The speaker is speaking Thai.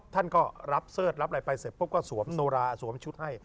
ท่านก็รับเสิร์ธรับอะไรไปเสร็จปุ๊บก็สวมโนราสวมชุดให้